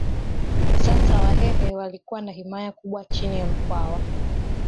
Sasa Wahehe walikuwa na himaya kubwa chini ya Mkwawa